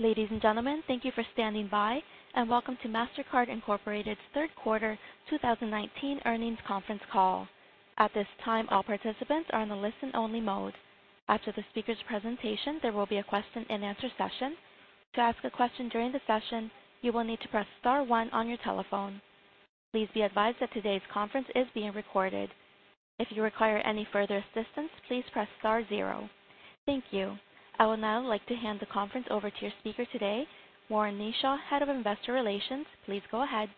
Ladies and gentlemen, thank you for standing by and welcome to Mastercard Incorporated's third quarter 2019 earnings conference call. At this time, all participants are in the listen only mode. After the speaker's presentation, there will be a question and answer session. To ask a question during the session, you will need to press star one on your telephone. Please be advised that today's conference is being recorded. If you require any further assistance, please press star zero. Thank you. I would now like to hand the conference over to your speaker today, Warren Kneeshaw, Head of Investor Relations. Please go ahead.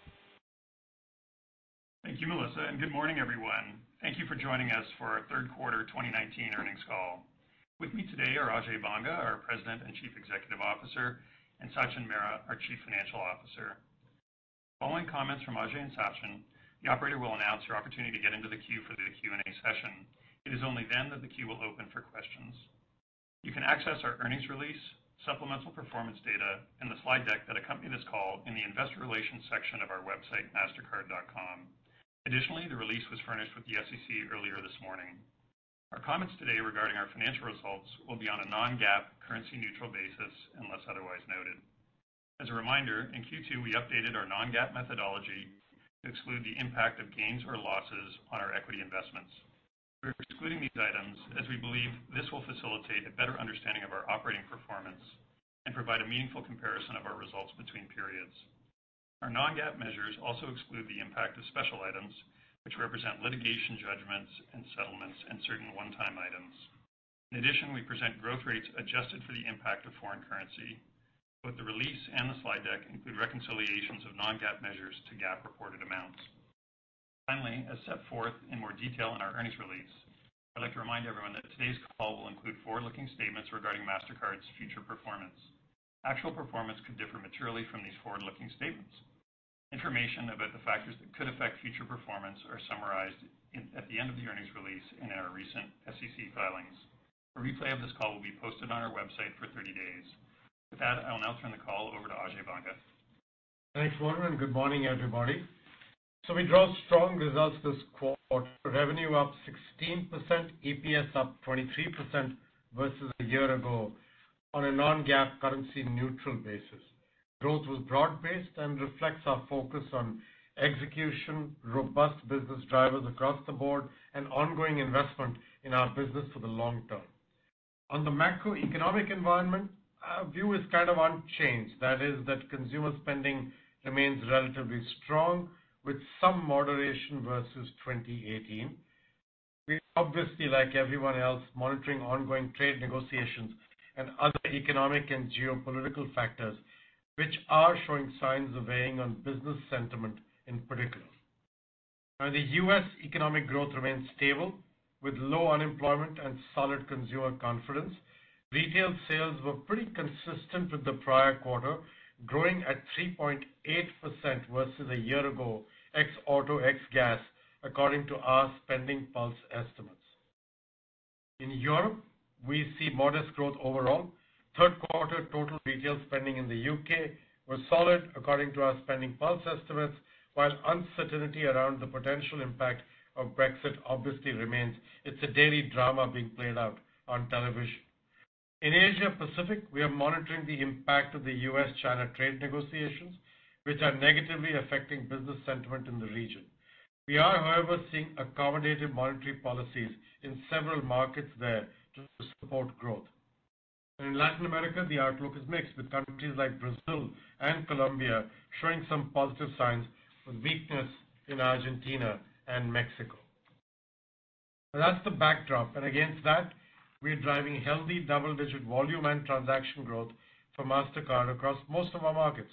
Thank you, Melissa. Good morning, everyone. Thank you for joining us for our third quarter 2019 earnings call. With me today are Ajay Banga, our President and Chief Executive Officer, and Sachin Mehra, our Chief Financial Officer. Following comments from Ajay and Sachin, the operator will announce your opportunity to get into the queue for the Q&A session. It is only then that the queue will open for questions. You can access our earnings release, supplemental performance data, and the slide deck that accompany this call in the investor relations section of our website, mastercard.com. The release was furnished with the SEC earlier this morning. Our comments today regarding our financial results will be on a non-GAAP, currency-neutral basis unless otherwise noted. As a reminder, in Q2 we updated our non-GAAP methodology to exclude the impact of gains or losses on our equity investments. We are excluding these items as we believe this will facilitate a better understanding of our operating performance and provide a meaningful comparison of our results between periods. Our non-GAAP measures also exclude the impact of special items, which represent litigation judgments and settlements and certain one-time items. In addition, we present growth rates adjusted for the impact of foreign currency. Both the release and the slide deck include reconciliations of non-GAAP measures to GAAP reported amounts. Finally, as set forth in more detail in our earnings release, I'd like to remind everyone that today's call will include forward-looking statements regarding Mastercard's future performance. Actual performance could differ materially from these forward-looking statements. Information about the factors that could affect future performance are summarized at the end of the earnings release in our recent SEC filings. A replay of this call will be posted on our website for 30 days. With that, I will now turn the call over to Ajay Banga. Thanks, Warren. Good morning, everybody. We drove strong results this quarter. Revenue up 16%, EPS up 23% versus a year ago on a non-GAAP currency neutral basis. Growth was broad-based and reflects our focus on execution, robust business drivers across the board, and ongoing investment in our business for the long term. On the macroeconomic environment, our view is kind of unchanged. That is that consumer spending remains relatively strong with some moderation versus 2018. We are obviously, like everyone else, monitoring ongoing trade negotiations and other economic and geopolitical factors, which are showing signs of weighing on business sentiment in particular. Now, the U.S. economic growth remains stable with low unemployment and solid consumer confidence. Retail sales were pretty consistent with the prior quarter, growing at 3.8% versus a year ago ex auto, ex gas, according to our SpendingPulse estimates. In Europe, we see modest growth overall. Third quarter total retail spending in the U.K. was solid according to our SpendingPulse estimates, while uncertainty around the potential impact of Brexit obviously remains. It's a daily drama being played out on television. In Asia Pacific, we are monitoring the impact of the U.S.-China trade negotiations, which are negatively affecting business sentiment in the region. We are, however, seeing accommodative monetary policies in several markets there to support growth. In Latin America, the outlook is mixed, with countries like Brazil and Colombia showing some positive signs with weakness in Argentina and Mexico. That's the backdrop. Against that, we are driving healthy double-digit volume and transaction growth for Mastercard across most of our markets,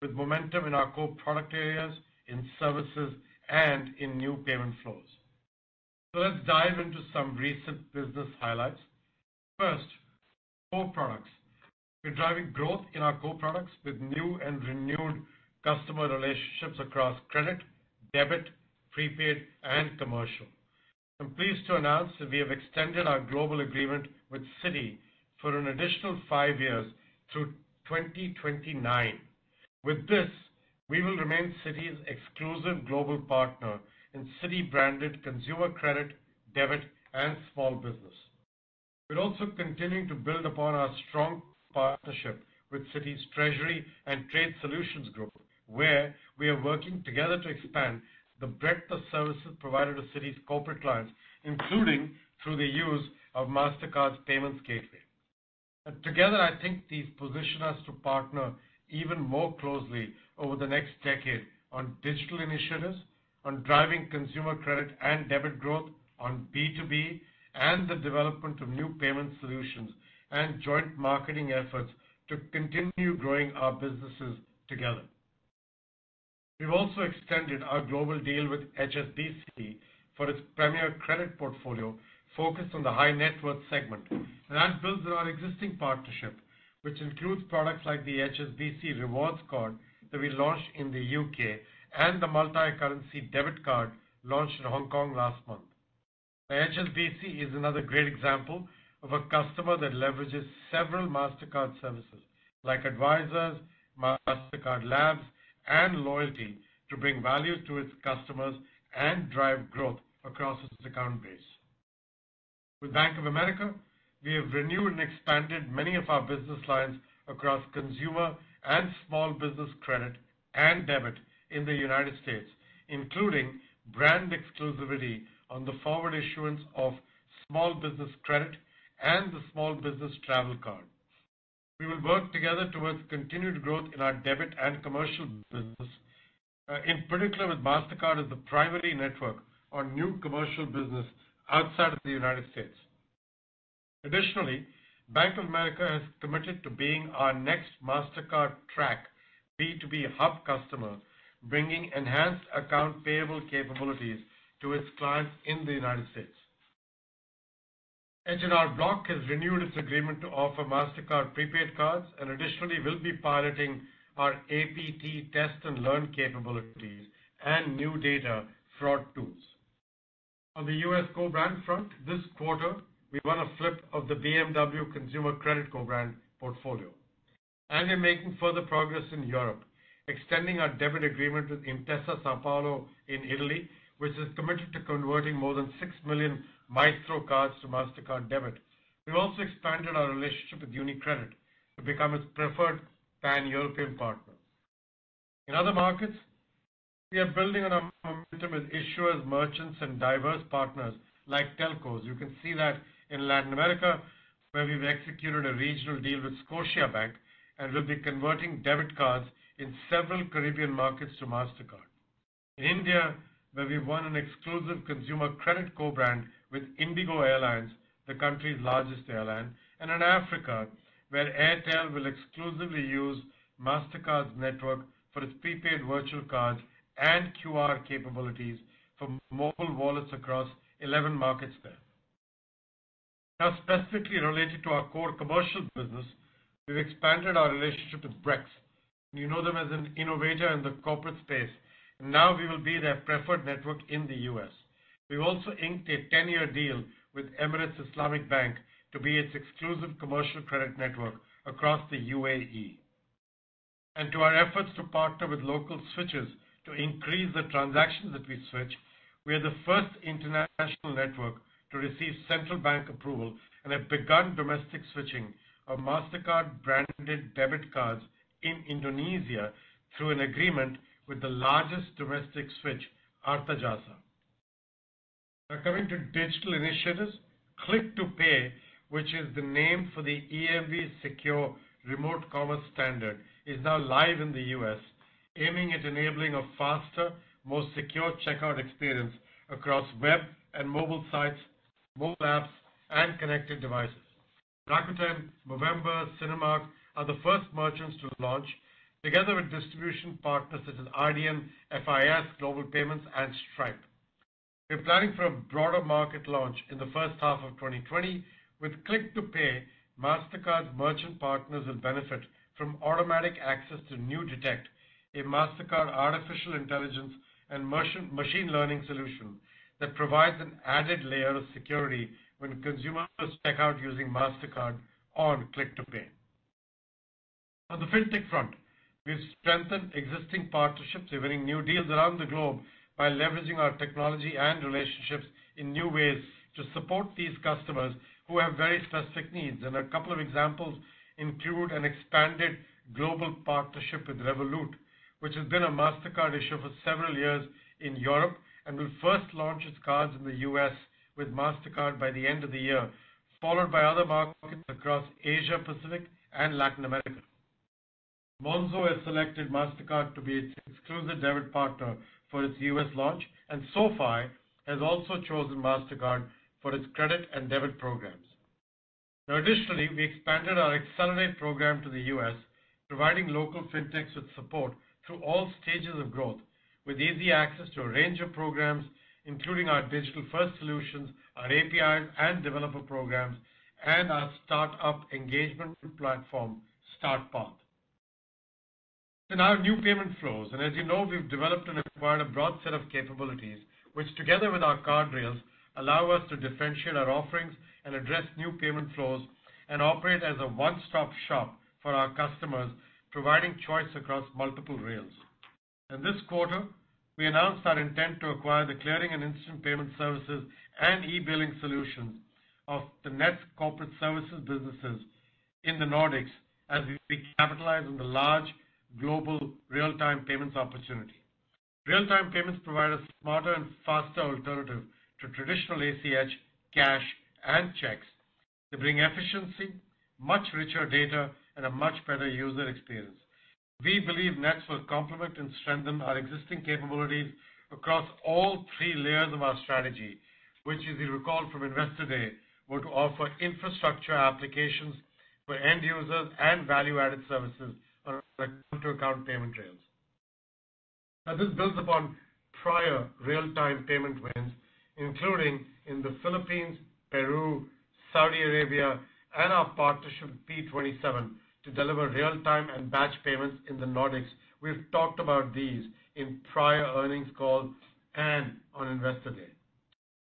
with momentum in our core product areas, in services, and in new payment flows. Let's dive into some recent business highlights. First, core products. We're driving growth in our core products with new and renewed customer relationships across credit, debit, prepaid, and commercial. I'm pleased to announce that we have extended our global agreement with Citi for an additional five years through 2029. With this, we will remain Citi's exclusive global partner in Citi-branded consumer credit, debit, and small business. We're also continuing to build upon our strong partnership with Citi's Treasury and Trade Solutions group, where we are working together to expand the breadth of services provided to Citi's corporate clients, including through the use of Mastercard Payment Gateway Services. Together, I think these position us to partner even more closely over the next decade on digital initiatives, on driving consumer credit and debit growth, on B2B, and the development of new payment solutions and joint marketing efforts to continue growing our businesses together. We've also extended our global deal with HSBC for its premier credit portfolio focused on the high net worth segment. That builds on our existing partnership, which includes products like the HSBC Rewards card that we launched in the U.K. and the multicurrency debit card launched in Hong Kong last month. HSBC is another great example of a customer that leverages several Mastercard services like Advisors, Mastercard Labs and loyalty to bring value to its customers and drive growth across its account base. With Bank of America, we have renewed and expanded many of our business lines across consumer and small business credit and debit in the United States, including brand exclusivity on the forward issuance of small business credit and the small business travel card. We will work together towards continued growth in our debit and commercial business, in particular with Mastercard as the primary network on new commercial business outside of the United States. Additionally, Bank of America has committed to being our next Mastercard Track B2B hub customer, bringing enhanced account payable capabilities to its clients in the United States. H&R Block has renewed its agreement to offer Mastercard prepaid cards, and additionally will be piloting our APT test and learn capabilities and NuData fraud tools. On the U.S. co-brand front, this quarter, we won a flip of the BMW consumer credit co-brand portfolio and are making further progress in Europe, extending our debit agreement with Intesa Sanpaolo in Italy, which is committed to converting more than six million Maestro cards to Mastercard debit. We've also expanded our relationship with UniCredit to become its preferred pan-European partner. In other markets, we are building on our momentum with issuers, merchants, and diverse partners like telecoms. You can see that in Latin America, where we've executed a regional deal with Scotiabank and will be converting debit cards in several Caribbean markets to Mastercard. In India, where we've won an exclusive consumer credit co-brand with IndiGo Airlines, the country's largest airline, and in Africa, where Airtel will exclusively use Mastercard's network for its prepaid virtual cards and QR capabilities for mobile wallets across 11 markets there. Now, specifically related to our core commercial business, we've expanded our relationship with Brex. You know them as an innovator in the corporate space. Now we will be their preferred network in the U.S. We've also inked a 10-year deal with Emirates Islamic Bank to be its exclusive commercial credit network across the UAE. To our efforts to partner with local switchers to increase the transactions that we switch, we are the first international network to receive central bank approval and have begun domestic switching of Mastercard branded debit cards in Indonesia through an agreement with the largest domestic switch, Artajasa. Coming to digital initiatives, Click to Pay, which is the name for the EMV Secure Remote Commerce standard, is now live in the U.S., aiming at enabling a faster, more secure checkout experience across web and mobile sites, mobile apps, and connected devices. Rakuten, Movember, Cinemark are the first merchants to launch together with distribution partners such as Adyen, FIS, Global Payments, and Stripe. We're planning for a broader market launch in the first half of 2020 with Click to Pay, Mastercard's merchant partners will benefit from automatic access to NuDetect, a Mastercard artificial intelligence and machine learning solution that provides an added layer of security when consumers check out using Mastercard on Click to Pay. On the fintech front, we've strengthened existing partnerships, delivering new deals around the globe by leveraging our technology and relationships in new ways to support these customers who have very specific needs. A couple of examples include an expanded global partnership with Revolut, which has been a Mastercard issuer for several years in Europe and will first launch its cards in the U.S. with Mastercard by the end of the year, followed by other markets across Asia, Pacific, and Latin America. Monzo has selected Mastercard to be its exclusive debit partner for its U.S. launch, and SoFi has also chosen Mastercard for its credit and debit programs. Additionally, we expanded our Mastercard Accelerate program to the U.S., providing local fintechs with support through all stages of growth, with easy access to a range of programs, including our digital-first solutions, our APIs and developer programs, and our start-up engagement platform, Mastercard Start Path. In our new payment flows, as you know, we've developed and acquired a broad set of capabilities, which together with our card rails, allow us to differentiate our offerings and address new payment flows and operate as a one-stop shop for our customers, providing choice across multiple rails. In this quarter, we announced our intent to acquire the clearing and instant payment services and e-billing solutions of the Nets corporate services businesses in the Nordics as we capitalize on the large global real-time payments opportunity. Real-time payments provide a smarter and faster alternative to traditional ACH, cash, and checks. They bring efficiency, much richer data, and a much better user experience. We believe Nets will complement and strengthen our existing capabilities across all three layers of our strategy, which, as you recall from Investor Day, were to offer infrastructure applications for end users and value-added services around account payment rails. Now, this builds upon prior real-time payment wins, including in the Philippines, Peru, Saudi Arabia, and our partnership with P27 to deliver real-time and batch payments in the Nordics. We've talked about these in prior earnings calls and on Investor Day.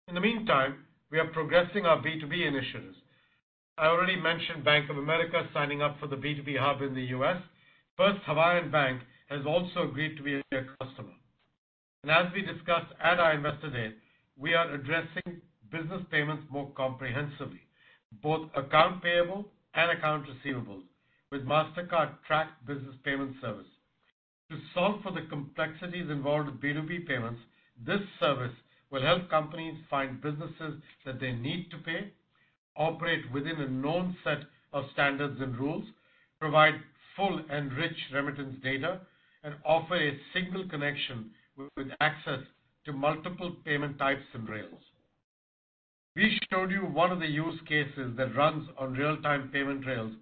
In the meantime, we are progressing our B2B initiatives. I already mentioned Bank of America signing up for the B2B hub in the U.S. First Hawaiian Bank has also agreed to be a customer. As we discussed at our Investor Day, we are addressing business payments more comprehensively, both account payable and account receivables, with Mastercard Track Business Payment Service. To solve for the complexities involved with B2B payments, this service will help companies find businesses that they need to pay, operate within a known set of standards and rules, provide full and rich remittance data, and offer a single connection with access to multiple payment types and rails. We showed you one of the use cases that runs on real-time payment rails,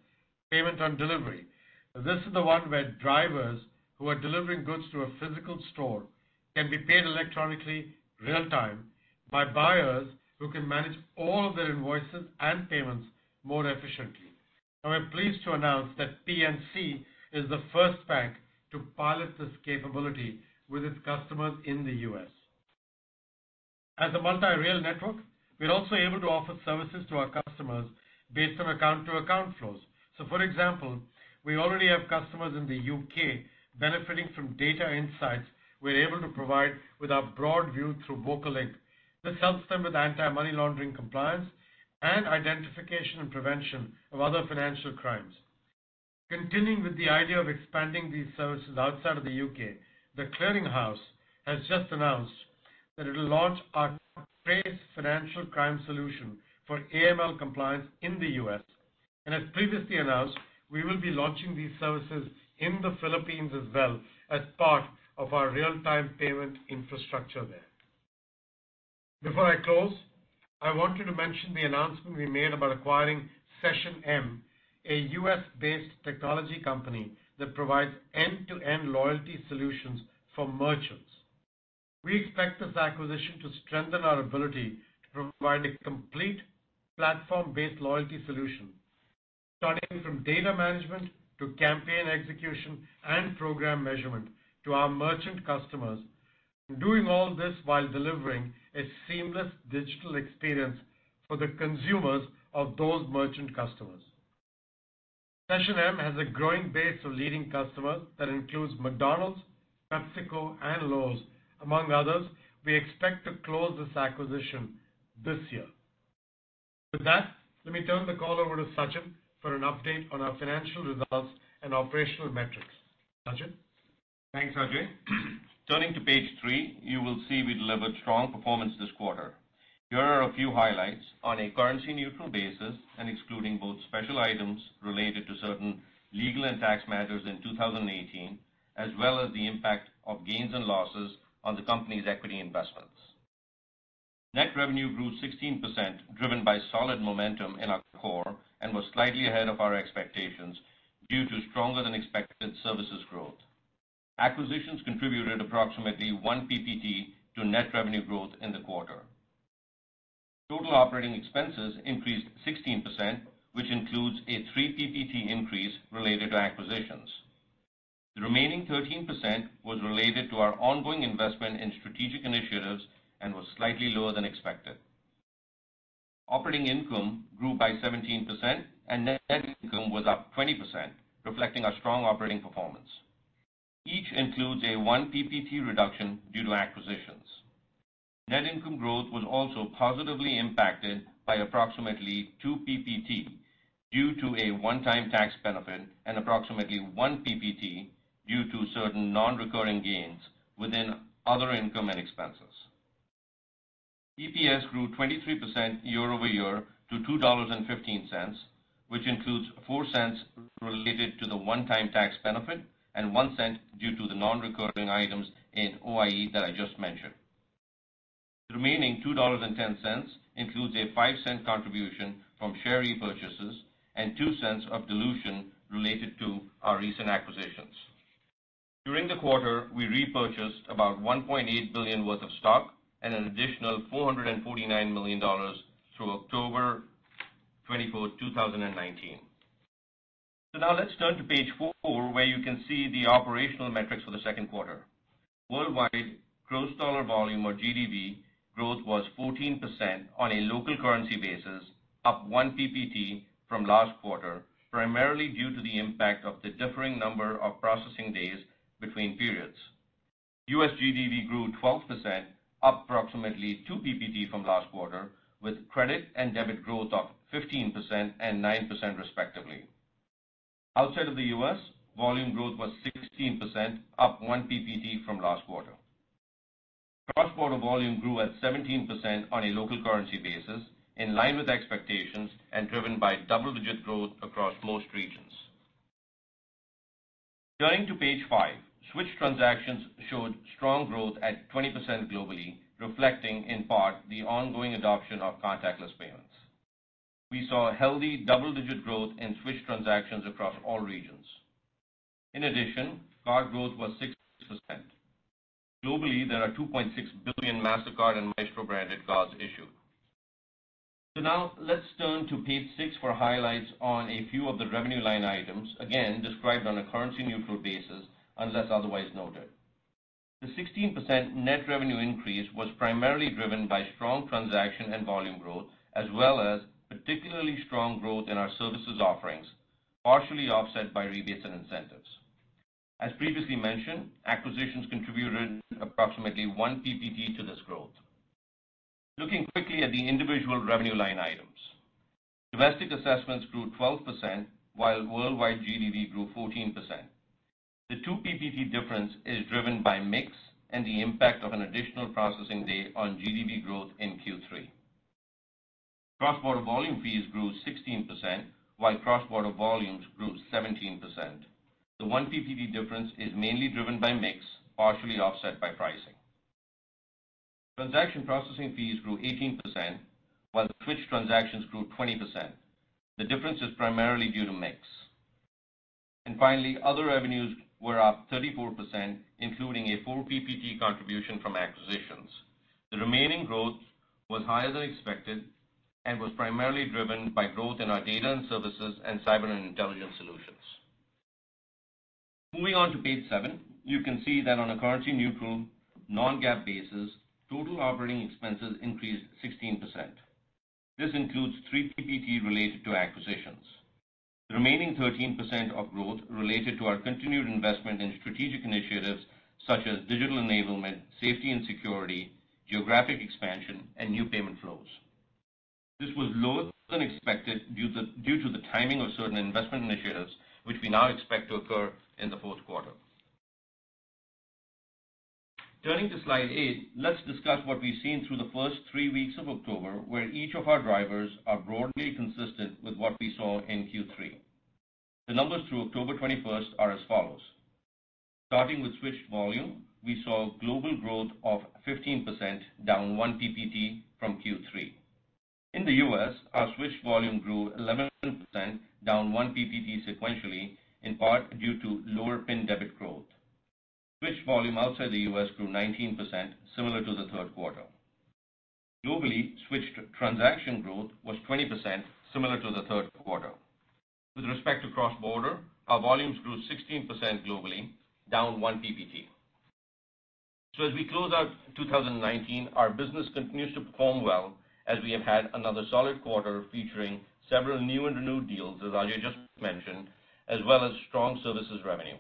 payment on delivery. This is the one where drivers who are delivering goods to a physical store can be paid electronically real-time by buyers who can manage all of their invoices and payments more efficiently. We're pleased to announce that PNC is the first bank to pilot this capability with its customers in the U.S. As a multi-rail network, we're also able to offer services to our customers based on account-to-account flows. For example, we already have customers in the U.K. benefiting from data insights we're able to provide with our broad view through VocaLink. This helps them with anti-money laundering compliance and identification and prevention of other financial crimes. Continuing with the idea of expanding these services outside of the U.K., The Clearing House has just announced that it will launch our Trac’e financial crime solution for AML compliance in the U.S. As previously announced, we will be launching these services in the Philippines as well as part of our real-time payment infrastructure there. Before I close, I wanted to mention the announcement we made about acquiring SessionM, a U.S.-based technology company that provides end-to-end loyalty solutions for merchants. We expect this acquisition to strengthen our ability to provide a complete platform-based loyalty solution, starting from data management to campaign execution and program measurement to our merchant customers, doing all this while delivering a seamless digital experience for the consumers of those merchant customers. SessionM has a growing base of leading customers that includes McDonald's, PepsiCo, and Lowe's, among others. We expect to close this acquisition this year. With that, let me turn the call over to Sachin for an update on our financial results and operational metrics. Sachin? Thanks, Ajay. Turning to page three, you will see we delivered strong performance this quarter. Here are a few highlights on a currency neutral basis and excluding both special items related to certain legal and tax matters in 2018, as well as the impact of gains and losses on the company's equity investments. Net revenue grew 16%, driven by solid momentum in our core and was slightly ahead of our expectations due to stronger than expected services growth. Acquisitions contributed approximately one PPT to net revenue growth in the quarter. Total operating expenses increased 16%, which includes a three PPT increase related to acquisitions. The remaining 13% was related to our ongoing investment in strategic initiatives and was slightly lower than expected. Operating income grew by 17%, and net income was up 20%, reflecting our strong operating performance. Each includes a one PPT reduction due to acquisitions. Net income growth was also positively impacted by approximately two PPT due to a one-time tax benefit and approximately one PPT due to certain non-recurring gains within other income and expenses. EPS grew 23% year-over-year to $2.15, which includes $0.04 related to the one-time tax benefit and $0.01 due to the non-recurring items in OIE that I just mentioned. The remaining $2.10 includes a $0.05 contribution from share repurchases and $0.02 of dilution related to our recent acquisitions. During the quarter, we repurchased about $1.8 billion worth of stock and an additional $449 million through October 24, 2019. Now let's turn to page four, where you can see the operational metrics for the second quarter. Worldwide gross dollar volume or GDV growth was 14% on a local currency basis, up one PPT from last quarter, primarily due to the impact of the differing number of processing days between periods. U.S. GDV grew 12%, up approximately two PPT from last quarter, with credit and debit growth up 15% and 9% respectively. Outside of the U.S., volume growth was 16%, up one PPT from last quarter. Cross-border volume grew at 17% on a local currency basis, in line with expectations and driven by double-digit growth across most regions. Turning to page five, switch transactions showed strong growth at 20% globally, reflecting in part the ongoing adoption of contactless payments. We saw healthy double-digit growth in switch transactions across all regions. In addition, card growth was 6%. Globally, there are 2.6 billion Mastercard and Maestro branded cards issued. Now let's turn to page six for highlights on a few of the revenue line items, again, described on a currency-neutral basis unless otherwise noted. The 16% net revenue increase was primarily driven by strong transaction and volume growth, as well as particularly strong growth in our services offerings, partially offset by rebates and incentives. As previously mentioned, acquisitions contributed approximately one PPT to this growth. Looking quickly at the individual revenue line items. Domestic assessments grew 12%, while worldwide GDV grew 14%. The two PPT difference is driven by mix and the impact of an additional processing day on GDV growth in Q3. Cross-border volume fees grew 16%, while cross-border volumes grew 17%. The one PPT difference is mainly driven by mix, partially offset by pricing. Transaction processing fees grew 18%, while switched transactions grew 20%. The difference is primarily due to mix. Finally, other revenues were up 34%, including a four PPT contribution from acquisitions. The remaining growth was higher than expected and was primarily driven by growth in our data and services and cyber and intelligence solutions. Moving on to page seven, you can see that on a currency neutral, non-GAAP basis, total operating expenses increased 16%. This includes three PPT related to acquisitions. The remaining 13% of growth related to our continued investment in strategic initiatives such as digital enablement, safety and security, geographic expansion, and new payment flows. This was lower than expected due to the timing of certain investment initiatives, which we now expect to occur in the fourth quarter. Turning to slide eight, let's discuss what we've seen through the first three weeks of October, where each of our drivers are broadly consistent with what we saw in Q3. The numbers through October 21st are as follows. With switched volume, we saw global growth of 15% down one PPT from Q3. In the U.S., our switched volume grew 11% down one PPT sequentially, in part due to lower PIN debit growth. Switched volume outside the U.S. grew 19%, similar to the third quarter. Globally, switched transaction growth was 20%, similar to the third quarter. With respect to cross-border, our volumes grew 16% globally, down one PPT. As we close out 2019, our business continues to perform well as we have had another solid quarter featuring several new and renewed deals, as Ajay just mentioned, as well as strong services revenue.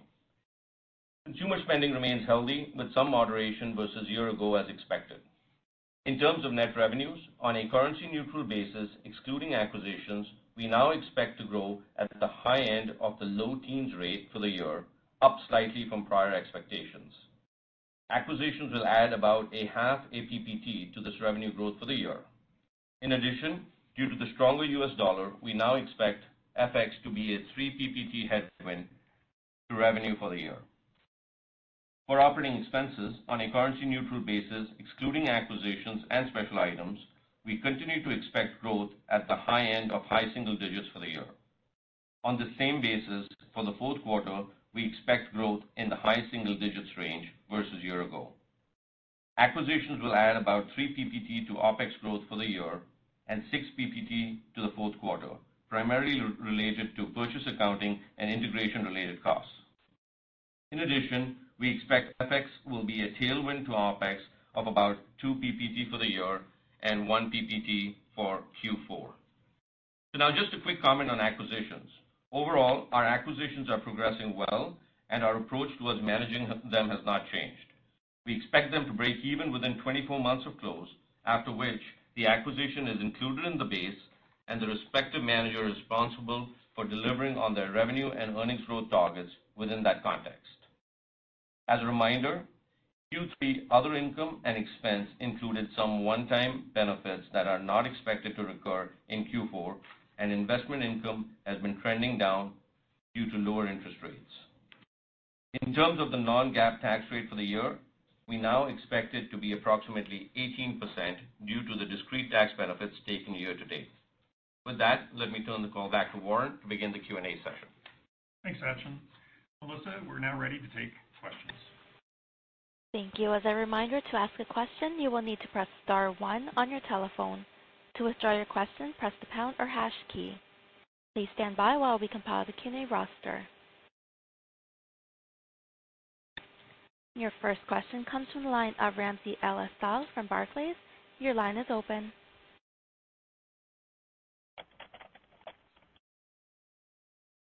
Consumer spending remains healthy, with some moderation versus a year ago as expected. In terms of net revenues, on a currency-neutral basis, excluding acquisitions, we now expect to grow at the high end of the low teens rate for the year, up slightly from prior expectations. Acquisitions will add about a half a PPT to this revenue growth for the year. In addition, due to the stronger U.S. dollar, we now expect FX to be a 3 PPT headwind to revenue for the year. For operating expenses on a currency-neutral basis, excluding acquisitions and special items, we continue to expect growth at the high end of high single digits for the year. On the same basis for the fourth quarter, we expect growth in the high single digits range versus a year ago. Acquisitions will add about 3 PPT to OPEX growth for the year and 6 PPT to the fourth quarter, primarily related to purchase accounting and integration-related costs. In addition, we expect FX will be a tailwind to OPEX of about two PPT for the year and one PPT for Q4. Now just a quick comment on acquisitions. Overall, our acquisitions are progressing well and our approach towards managing them has not changed. We expect them to break even within 24 months of close, after which the acquisition is included in the base and the respective manager is responsible for delivering on their revenue and earnings growth targets within that context. As a reminder, Q3 other income and expense included some one-time benefits that are not expected to recur in Q4, and investment income has been trending down due to lower interest rates. In terms of the non-GAAP tax rate for the year, we now expect it to be approximately 18% due to the discrete tax benefits taken year to date. With that, let me turn the call back to Warren to begin the Q&A session. Thanks, Sachin. Melissa, we're now ready to take questions. Thank you. As a reminder, to ask a question, you will need to press star one on your telephone. To withdraw your question, press the pound or hash key. Please stand by while we compile the Q&A roster. Your first question comes from the line of Ramsey El-Assal from Barclays. Your line is open.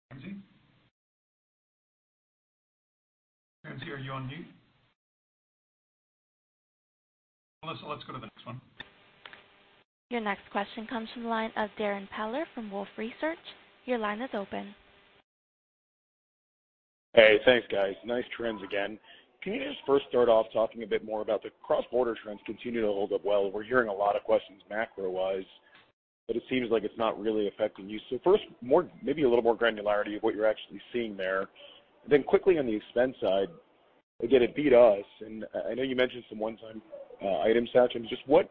Ramsey? Ramsey, are you on mute? Melissa, let's go to the next one. Your next question comes from the line of Darrin Peller from Wolfe Research. Your line is open. Hey, thanks guys. Nice trends again. Can you just first start off talking a bit more about the cross-border trends continuing to hold up well? We're hearing a lot of questions macro-wise, but it seems like it's not really affecting you. First, maybe a little more granularity of what you're actually seeing there. Quickly on the expense side, again, it beat us, and I know you mentioned some one-time items, Sachin. Just what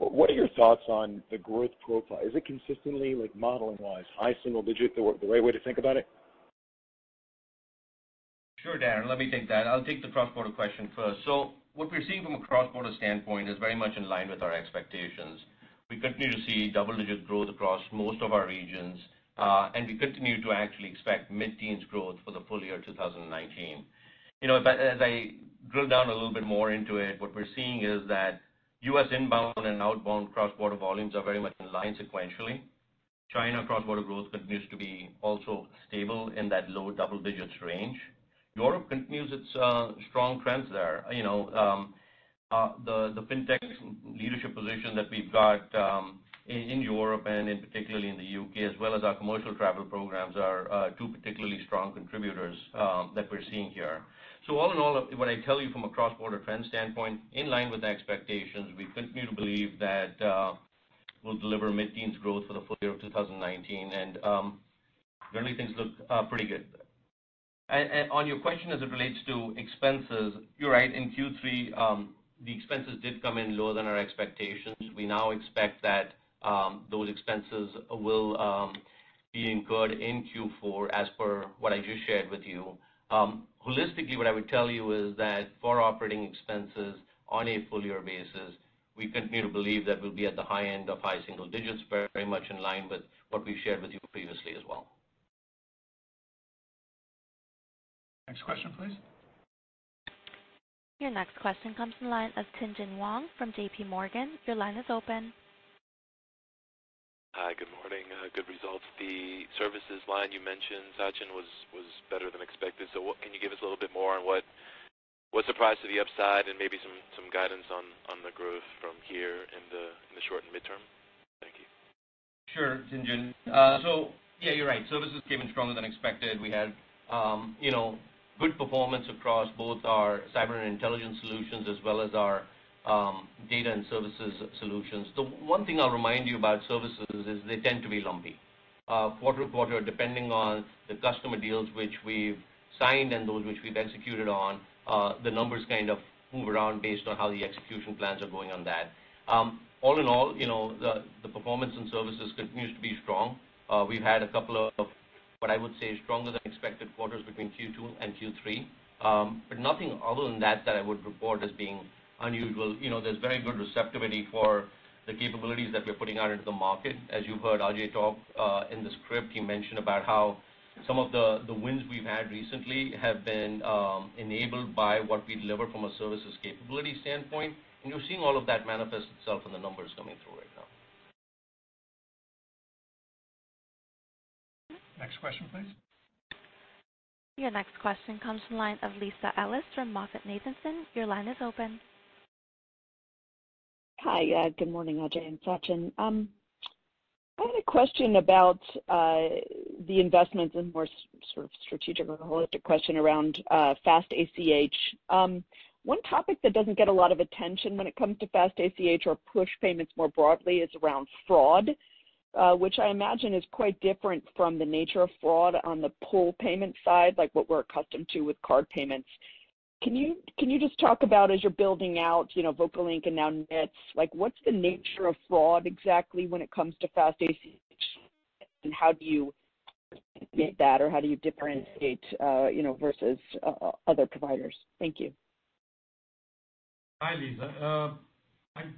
are your thoughts on the growth profile? Is it consistently like modeling-wise, high single digits, the right way to think about it? Sure, Darrin, let me take that. I'll take the cross-border question first. What we're seeing from a cross-border standpoint is very much in line with our expectations. We continue to see double-digit growth across most of our regions, and we continue to actually expect mid-teens growth for the full year 2019. As I drill down a little bit more into it, what we're seeing is that U.S. inbound and outbound cross-border volumes are very much in line sequentially. China cross-border growth continues to be also stable in that low double-digits range. Europe continues its strong trends there. The Fintech leadership position that we've got in Europe and particularly in the U.K., as well as our commercial travel programs, are two particularly strong contributors that we're seeing here. All in all, what I'll tell you from a cross-border trend standpoint, in line with the expectations, we continue to believe that we'll deliver mid-teens growth for the full year of 2019, and generally things look pretty good. On your question as it relates to expenses, you're right. In Q3, the expenses did come in lower than our expectations. We now expect that those expenses will be incurred in Q4 as per what I just shared with you. Holistically, what I would tell you is that for operating expenses on a full year basis, we continue to believe that we'll be at the high end of high single digits, very much in line with what we've shared with you previously as well. Next question, please. Your next question comes from the line of Tien-tsin Huang from J.P. Morgan. Your line is open. Hi, good morning. Good results. The services line you mentioned, Sachin, was better than expected. Can you give us a little bit more on what surprised to the upside and maybe some guidance on the growth from here in the short and midterm? Thank you. Sure, Tien-tsin. Yeah, you're right. Services came in stronger than expected. We had good performance across both our cyber and intelligence solutions as well as our data and services solutions. The one thing I'll remind you about services is they tend to be lumpy. Quarter to quarter, depending on the customer deals which we've signed and those which we've executed on, the numbers kind of move around based on how the execution plans are going on that. All in all, the performance and services continues to be strong. We've had a couple of what I would say stronger than expected quarters between Q2 and Q3. Nothing other than that I would report as being unusual. There's very good receptivity for the capabilities that we're putting out into the market. As you heard Ajay talk, in the script, he mentioned about how some of the wins we've had recently have been enabled by what we deliver from a services capability standpoint. You're seeing all of that manifest itself in the numbers coming through right now. Next question, please. Your next question comes from the line of Lisa Ellis from MoffettNathanson. Your line is open. Hi. Good morning, Ajay and Sachin. I had a question about the investments and more sort of strategic or holistic question around Faster Payments. One topic that doesn't get a lot of attention when it comes to Faster Payments or push payments more broadly is around fraud, which I imagine is quite different from the nature of fraud on the pull payment side, like what we're accustomed to with card payments. Can you just talk about as you're building out VocaLink and now Nets, what's the nature of fraud exactly when it comes to Faster Payments, and how do you mitigate that, or how do you differentiate versus other providers? Thank you. Hi, Lisa.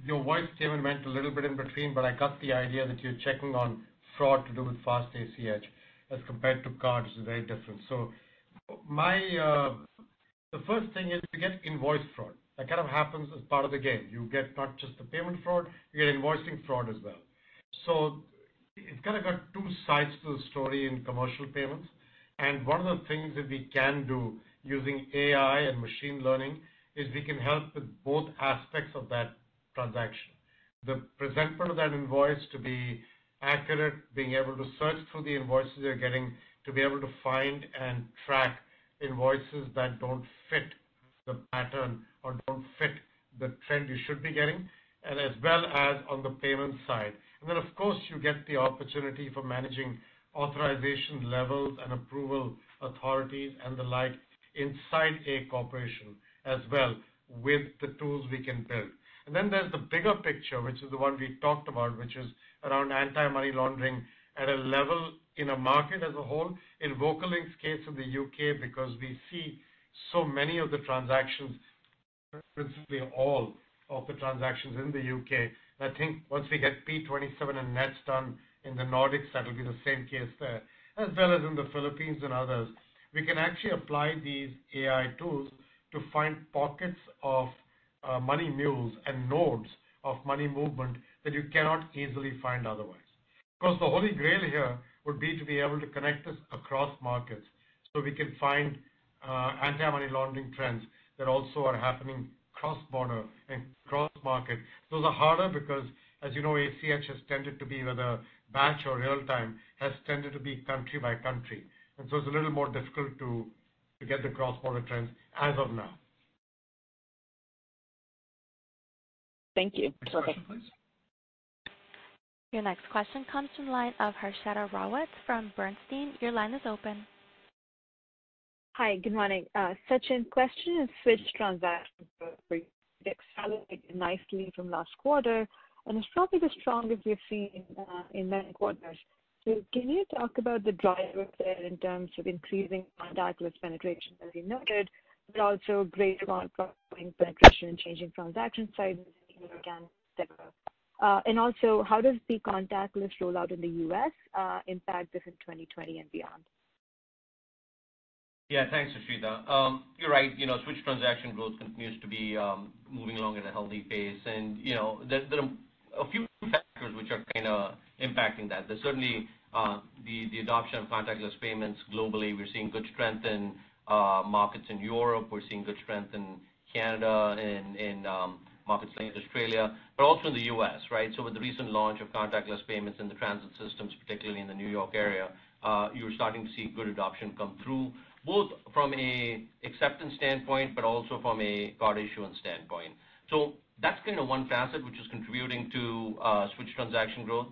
Your voice came and went a little bit in between. I got the idea that you're checking on fraud to do with Faster Payments as compared to cards, is very different. The first thing is you get invoice fraud. That kind of happens as part of the game. You get not just the payment fraud, you get invoicing fraud as well. It's kind of got two sides to the story in commercial payments. One of the things that we can do using AI and machine learning is we can help with both aspects of that transaction, the presenter of that invoice to be accurate, being able to search through the invoices they're getting, to be able to find and track invoices that don't fit the pattern or don't fit the trend you should be getting, and as well as on the payment side. Then, of course, you get the opportunity for managing authorization levels and approval authorities, and the like inside a corporation as well with the tools we can build. Then there's the bigger picture, which is the one we talked about, which is around anti-money laundering at a level in a market as a whole. In VocaLink's case in the U.K., because we see so many of the transactions, principally all of the transactions in the U.K. I think once we get P27 and Nets done in the Nordics, that will be the same case there, as well as in the Philippines and others. We can actually apply these AI tools to find pockets of money mules and nodes of money movement that you cannot easily find otherwise. Of course, the Holy Grail here would be to be able to connect this across markets so we can find anti-money laundering trends that also are happening cross-border and cross-market. Those are harder because, as you know, ACH has tended to be whether batch or real-time, has tended to be country by country. It's a little more difficult to get the cross-border trends as of now. Thank you. It's okay. Next question, please. Your next question comes from the line of Harshita Rawat from Bernstein. Your line is open. Hi, good morning. Sachin, question is switch transactions? It accelerated nicely from last quarter and is probably the strongest we have seen in many quarters. Can you talk about the drivers there in terms of increasing contactless penetration, as you noted, but also a great amount of penetration and change in transaction sizes, and again, et cetera? Also, how does the contactless rollout in the U.S. impact this in 2020 and beyond? Yeah, thanks, Harshita. You're right. Switch transaction growth continues to be moving along at a healthy pace. There are a few factors which are kind of impacting that. Certainly, the adoption of contactless payments globally, we're seeing good strength in markets in Europe, we're seeing good strength in Canada and in markets like Australia, but also in the U.S., right? With the recent launch of contactless payments in the transit systems, particularly in the New York area, you're starting to see good adoption come through, both from an acceptance standpoint, but also from a card issuance standpoint. That's one facet which is contributing to switch transaction growth.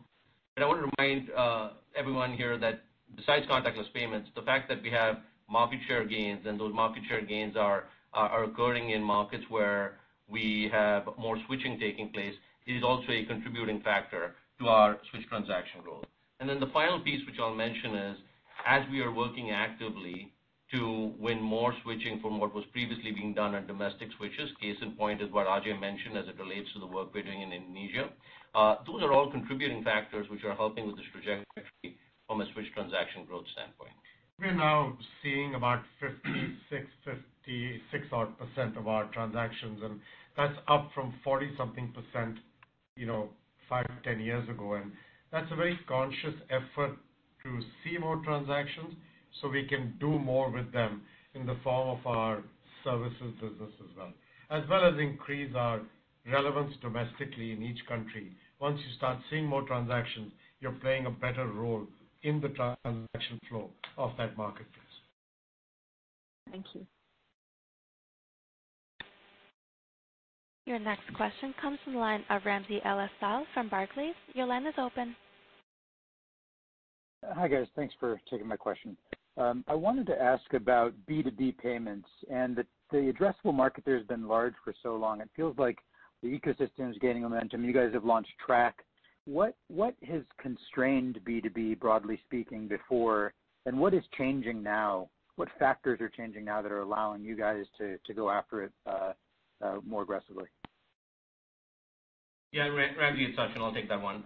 I want to remind everyone here that besides contactless payments, the fact that we have market share gains and those market share gains are occurring in markets where we have more switching taking place is also a contributing factor to our switch transaction growth. The final piece, which I'll mention is as we are working actively to win more switching from what was previously being done on domestic switches, case in point is what Ajay mentioned as it relates to the work we're doing in Indonesia. Those are all contributing factors which are helping with this trajectory from a switch transaction growth standpoint. We're now seeing about 56% odd of our transactions. That's up from 40-something percent 5-10 years ago. That's a very conscious effort to see more transactions so we can do more with them in the form of our services business as well, as well as increase our relevance domestically in each country. Once you start seeing more transactions, you're playing a better role in the transaction flow of that marketplace. Thank you. Your next question comes from the line of Ramsey El-Assal from Barclays. Your line is open. Hi, guys. Thanks for taking my question. I wanted to ask about B2B payments and the addressable market there has been large for so long. It feels like the ecosystem is gaining momentum. You guys have launched Track. What has constrained B2B, broadly speaking, before, and what is changing now? What factors are changing now that are allowing you guys to go after it more aggressively? Yeah. Ramsey, it's Sachin. I'll take that one.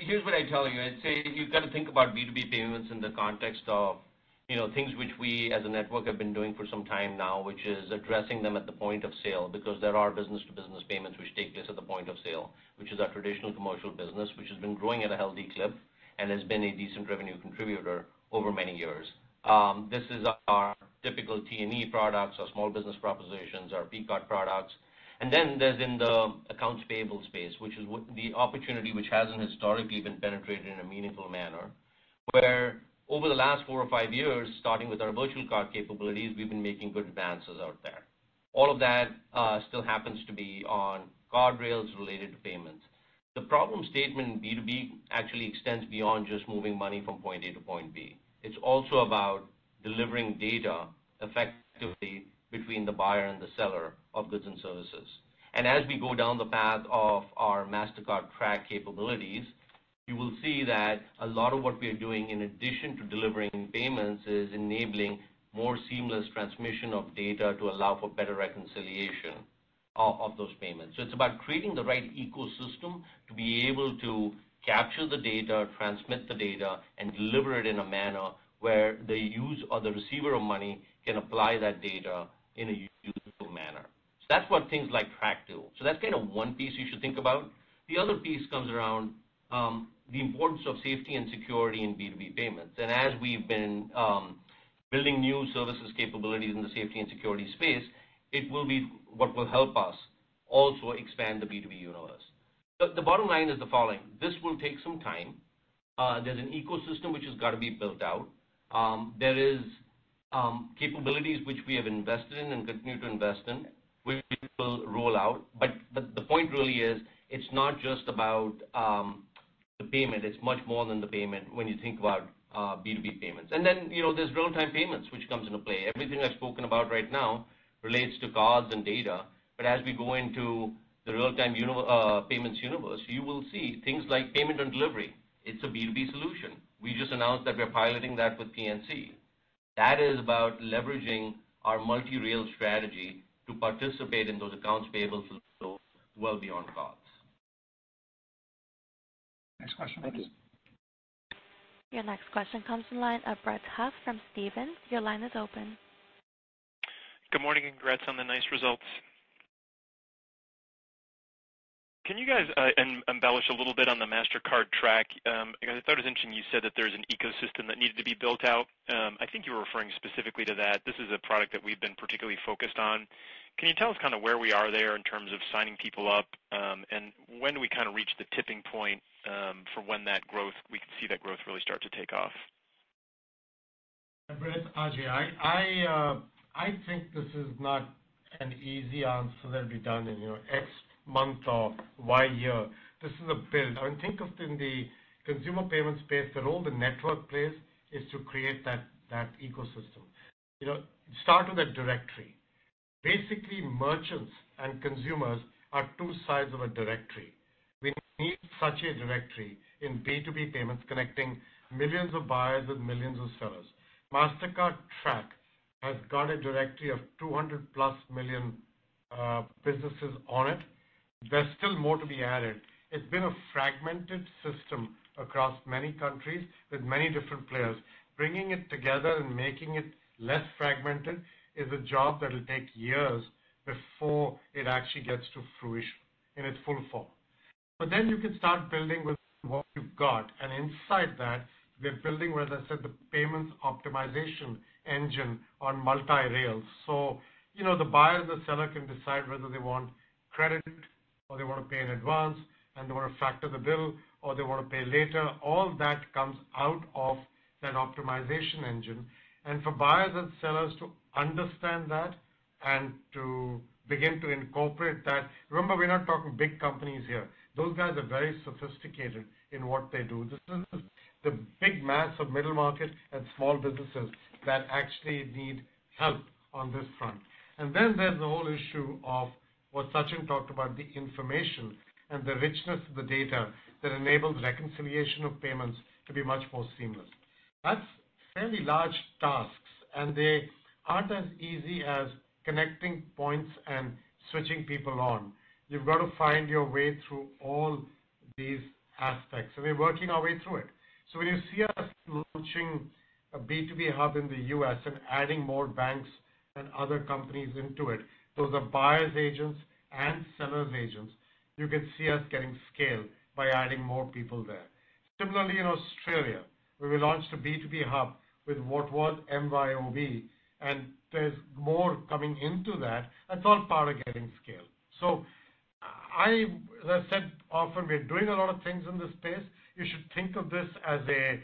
Here's what I'd tell you. I'd say you've got to think about B2B payments in the context of things which we as a network have been doing for some time now, which is addressing them at the point of sale because there are business-to-business payments which take place at the point of sale, which is our traditional commercial business, which has been growing at a healthy clip and has been a decent revenue contributor over many years. This is our typical T&E products, our small business propositions, our P-Card products. Then there's in the accounts payable space, which is the opportunity which hasn't historically been penetrated in a meaningful manner. Where over the last four or five years, starting with our virtual card capabilities, we've been making good advances out there. All of that still happens to be on card rails related to payments. The problem statement in B2B actually extends beyond just moving money from point A to point B. It's also about delivering data effectively between the buyer and the seller of goods and services. As we go down the path of our Mastercard Track capabilities, you will see that a lot of what we are doing, in addition to delivering payments, is enabling more seamless transmission of data to allow for better reconciliation of those payments. It's about creating the right ecosystem to be able to capture the data, transmit the data, and deliver it in a manner where the use or the receiver of money can apply that data in a useful manner. That's what things like Track do. That's one piece you should think about. The other piece comes around the importance of safety and security in B2B payments. As we've been building new services capabilities in the safety and security space, it will be what will help us also expand the B2B universe. The bottom line is the following, this will take some time. There's an ecosystem which has got to be built out. There is capabilities which we have invested in and continue to invest in, which we will roll out. The point really is it's not just about the payment. It's much more than the payment when you think about B2B payments. There's real-time payments, which comes into play. Everything I've spoken about right now relates to cards and data, as we go into the real-time payments universe, you will see things like payment on delivery. It's a B2B solution. We just announced that we're piloting that with PNC. That is about leveraging our multi-rail strategy to participate in those accounts payable solutions well beyond cards. Next question please. Thank you. Your next question comes from the line of Brett Huff from Stephens. Your line is open. Good morning. Congrats on the nice results. Can you guys embellish a little bit on the Mastercard Track? I thought it was interesting you said that there's an ecosystem that needed to be built out. I think you were referring specifically to that. This is a product that we've been particularly focused on. Can you tell us where we are there in terms of signing people up? When do we reach the tipping point for when we can see that growth really start to take off? Brett, Ajay. I think this is not an easy answer that'll be done in your X month or Y year. This is a build. Think of in the consumer payment space, the role the network plays is to create that ecosystem. Start with a directory. Basically, merchants and consumers are two sides of a directory. We need such a directory in B2B payments connecting millions of buyers with millions of sellers. Mastercard Track has got a directory of 200-plus million businesses on it. There's still more to be added. It's been a fragmented system across many countries with many different players. Bringing it together and making it less fragmented is a job that'll take years before it actually gets to fruition in its full form. You can start building with what you've got, and inside that, we are building, as I said, the payments optimization engine on multi rails. The buyer, the seller can decide whether they want credit or they want to pay in advance, and they want to factor the bill or they want to pay later. All that comes out of that optimization engine. For buyers and sellers to understand that and to begin to incorporate that, remember, we're not talking big companies here. Those guys are very sophisticated in what they do. This is the big mass of middle market and small businesses that actually need help on this front. There's the whole issue of what Sachin talked about, the information and the richness of the data that enables reconciliation of payments to be much more seamless. That's fairly large tasks, and they aren't as easy as connecting points and switching people on. You've got to find your way through all these aspects, and we're working our way through it. When you see us launching a B2B hub in the U.S. and adding more banks and other companies into it, those are buyers' agents and sellers' agents. You can see us getting scale by adding more people there. Similarly, in Australia, where we launched a B2B hub with Worldpay MYOB, and there's more coming into that. That's all part of getting scale. As I said often, we're doing a lot of things in this space. You should think of this as a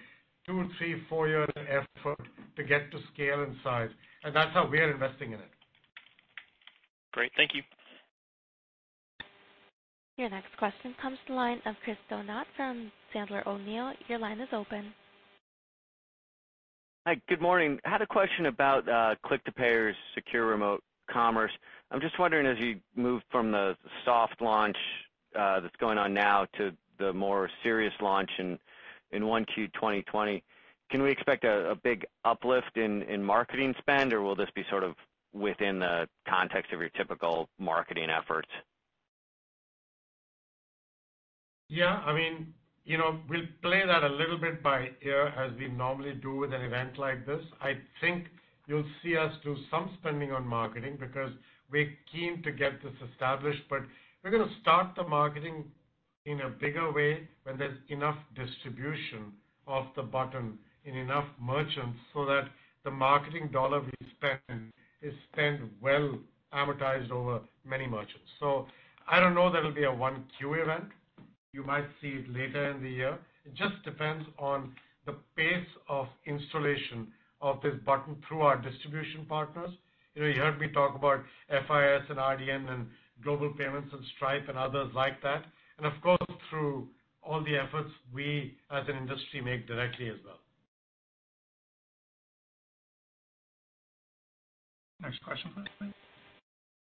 two, three, four-year effort to get to scale and size, and that's how we are investing in it. Great. Thank you. Your next question comes from the line of Chris Donat from Sandler O'Neill. Your line is open. Hi, good morning. I had a question about Click to Pay's Secure Remote Commerce. I'm just wondering, as you move from the soft launch that's going on now to the more serious launch in 1Q 2020, can we expect a big uplift in marketing spend, or will this be sort of within the context of your typical marketing efforts? Yeah. We'll play that a little bit by ear, as we normally do with an event like this. I think you'll see us do some spending on marketing because we are keen to get this established. We're going to start the marketing in a bigger way when there's enough distribution of the button in enough merchants so that the marketing dollar we spend is spent well, amortized over many merchants. I don't know that'll be a 1Q event. You might see it later in the year. It just depends on the pace of installation of this button through our distribution partners. You heard me talk about FIS and Adyen and Global Payments and Stripe and others like that, and of course, through all the efforts we as an industry make directly as well. Next question please.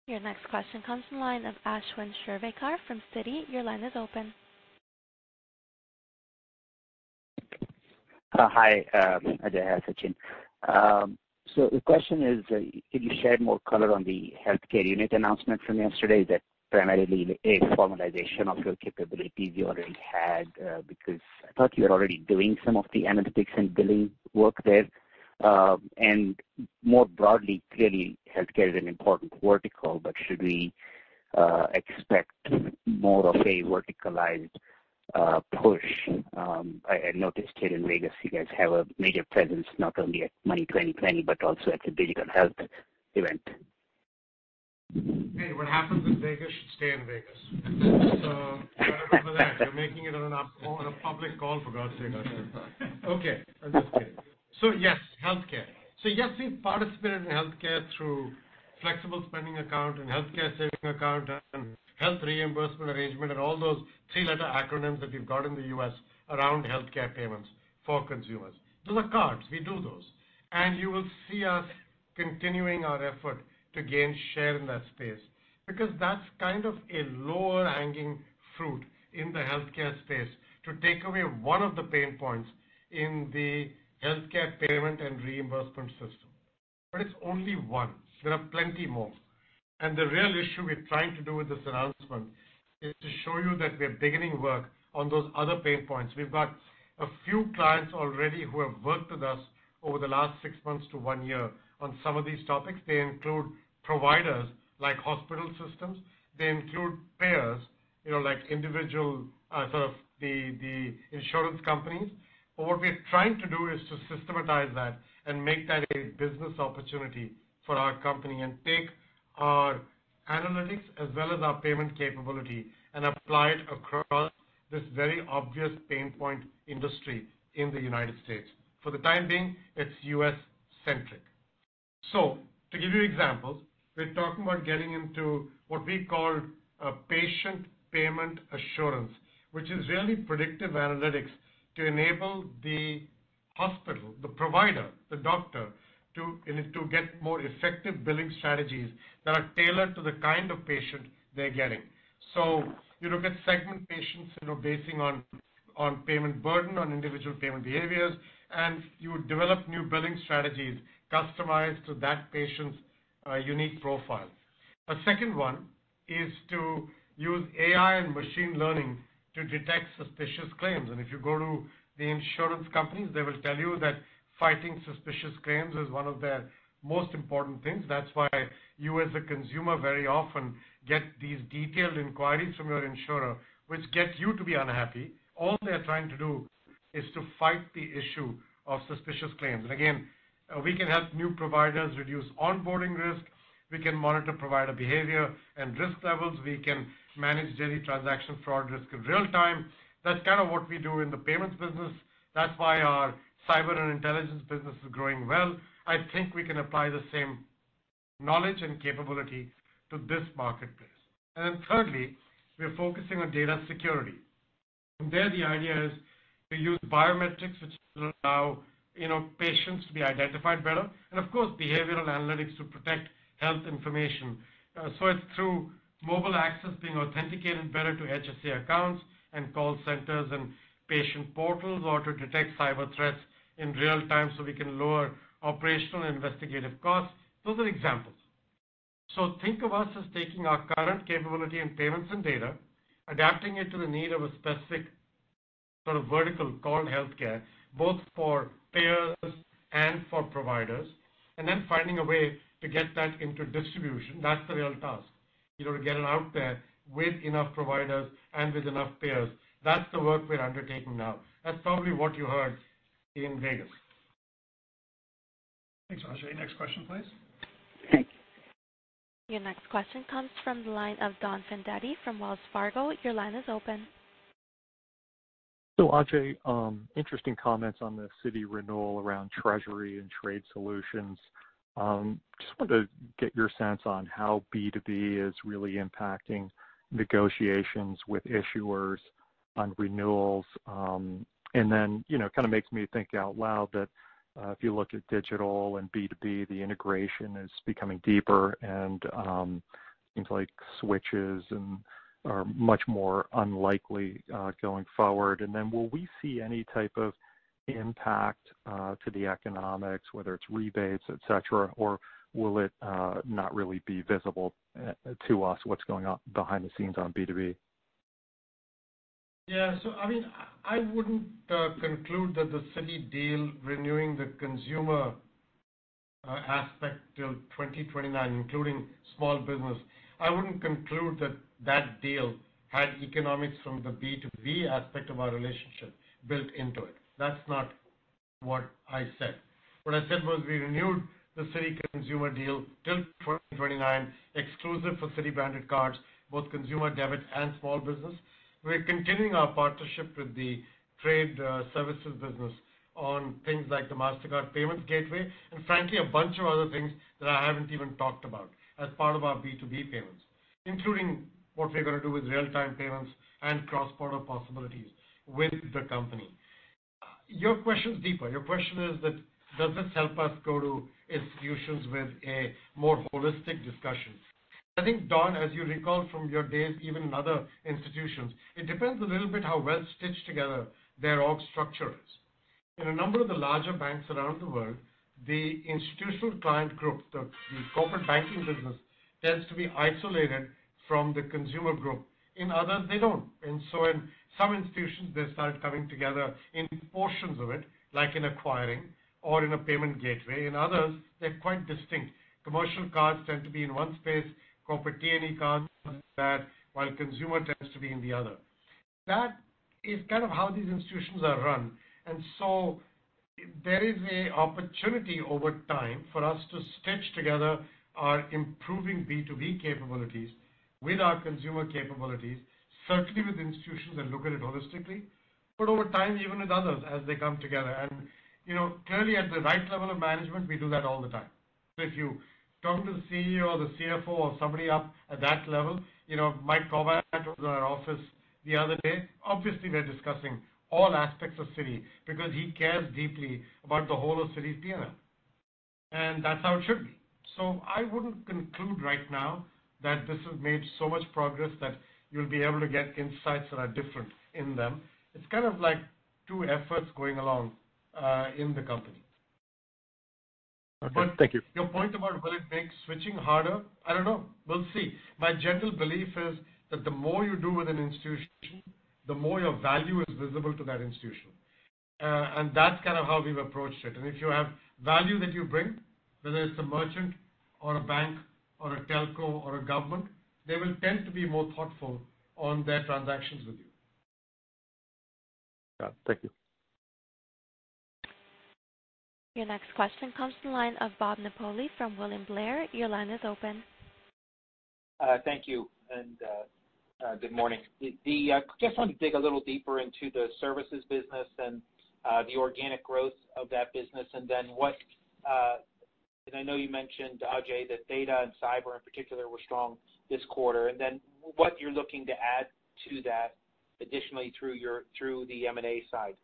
Your next question comes from the line of Ashwin Shirvaikar from Citi. Your line is open. Hi, Ajay. Hi, Sachin. The question is, can you shed more color on the healthcare unit announcement from yesterday? Is that primarily a formalization of your capabilities you already had? Because I thought you were already doing some of the analytics and billing work there. More broadly, clearly healthcare is an important vertical, but should we expect more of a verticalized push? I noticed here in Vegas you guys have a major presence, not only at Money20/20 but also at the Digital Health event. Hey, what happens in Vegas should stay in Vegas. Forget about that. You're making it on a public call, for God's sake. Okay. I'm just kidding. Yes, healthcare. Yes, we participate in healthcare through flexible spending account and Health Savings Account and health reimbursement arrangement and all those three-letter acronyms that you've got in the U.S. around healthcare payments for consumers. Those are cards. We do those. You will see us continuing our effort to gain share in that space because that's kind of a lower-hanging fruit in the healthcare space to take away one of the pain points in the healthcare payment and reimbursement system. It's only one. There are plenty more. The real issue we're trying to do with this announcement is to show you that we are beginning work on those other pain points. We've got a few clients already who have worked with us over the last six months to one year on some of these topics. They include providers like hospital systems. They include payers, like individual sort of the insurance companies. What we are trying to do is to systematize that and make that a business opportunity for our company and take our analytics as well as our payment capability and apply it across this very obvious pain point industry in the U.S. For the time being, it's U.S.-centric. To give you examples, we are talking about getting into what we call a patient payment assurance, which is really predictive analytics to enable the hospital, the provider, the doctor, to get more effective billing strategies that are tailored to the kind of patient they're getting. You look at segment patients basing on payment burden, on individual payment behaviors, and you develop new billing strategies customized to that patient's unique profile. The second one is to use AI and machine learning to detect suspicious claims. If you go to the insurance companies, they will tell you that fighting suspicious claims is one of their most important things. That's why you as a consumer very often get these detailed inquiries from your insurer, which gets you to be unhappy. All they're trying to do is to fight the issue of suspicious claims. Again, we can help new providers reduce onboarding risk. We can monitor provider behavior and risk levels. We can manage daily transaction fraud risk in real-time. That's kind of what we do in the payments business. That's why our cyber and intelligence business is growing well. I think we can apply the same knowledge and capability to this marketplace. Thirdly, we are focusing on data security. There the idea is to use biometrics, which will allow patients to be identified better and of course, behavioral analytics to protect health information. It's through mobile access being authenticated better to HSA accounts and call centers and patient portals or to detect cyber threats in real-time so we can lower operational and investigative costs. Those are examples. Think of us as taking our current capability in payments and data, adapting it to the need of a specific sort of vertical called healthcare, both for payers and for providers, and then finding a way to get that into distribution. That's the real task. To get it out there with enough providers and with enough payers. That's the work we're undertaking now. That's probably what you heard in Vegas. Thanks, Ajay. Next question, please. Thank you. Your next question comes from the line of Don Fandetti from Wells Fargo. Your line is open. Ajay, interesting comments on the Citi renewal around treasury and trade solutions. Just wanted to get your sense on how B2B is really impacting negotiations with issuers on renewals. Kind of makes me think out loud that if you look at digital and B2B, the integration is becoming deeper and things like switches are much more unlikely going forward. Will we see any type of impact to the economics, whether it's rebates, et cetera, or will it not really be visible to us what's going on behind the scenes on B2B? I wouldn't conclude that the Citi deal renewing the consumer aspect till 2029, including small business. I wouldn't conclude that that deal had economics from the B2B aspect of our relationship built into it. That's not what I said. What I said was we renewed the Citi consumer deal till 2029, exclusive for Citi branded cards, both consumer debit and small business. We're continuing our partnership with the trade services business on things like the Mastercard Payment Gateway, and frankly, a bunch of other things that I haven't even talked about as part of our B2B payments, including what we're going to do with real-time payments and cross-border possibilities with the company. Your question's deeper. Your question is that does this help us go to institutions with a more holistic discussion? I think, Don, as you recall from your days even in other institutions, it depends a little bit how well stitched together their org structure is. In a number of the larger banks around the world, the institutional client group, the corporate banking business, tends to be isolated from the consumer group. In others, they don't. In some institutions, they start coming together in portions of it, like in acquiring or in a payment gateway. In others, they're quite distinct. Commercial cards tend to be in one space, corporate T&E cards that, while consumer tends to be in the other. That is kind of how these institutions are run. There is an opportunity over time for us to stitch together our improving B2B capabilities with our consumer capabilities, certainly with institutions that look at it holistically, but over time, even with others as they come together. Clearly at the right level of management, we do that all the time. If you talk to the CEO or the CFO or somebody up at that level, Mike Corbat came to our office the other day. Obviously, they're discussing all aspects of Citi because he cares deeply about the whole of Citi's P&L. That's how it should be. I wouldn't conclude right now that this has made so much progress that you'll be able to get insights that are different in them. It's kind of like two efforts going along in the company. Okay. Thank you. Your point about will it make switching harder? I don't know. We'll see. My general belief is that the more you do with an institution, the more your value is visible to that institution. That's kind of how we've approached it. If you have value that you bring, whether it's a merchant or a bank or a telco or a government, they will tend to be more thoughtful on their transactions with you. Got it. Thank you. Your next question comes from the line of Bob Napoli from William Blair. Your line is open. Thank you, and good morning. Just want to dig a little deeper into the services business and the organic growth of that business, and then I know you mentioned, Ajay, that data and cyber in particular were strong this quarter, and then what you're looking to add to that additionally through the M&A side.